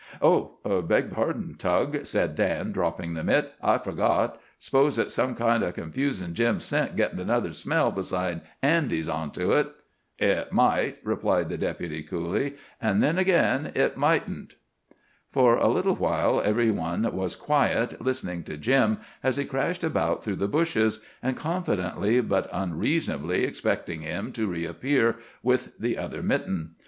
"Oh, beg pardon, Tug," said Dan, dropping the mitt. "I forgot. 'S'pose it might kind o' confuse Jim's scent, gittin' another smell besides Andy's on to it." "It might," replied the Deputy coolly, "an' then agin, it mightn't." For a little while every one was quiet, listening to Jim as he crashed about through the bushes, and confidently but unreasonably expecting him to reappear with the other mitten.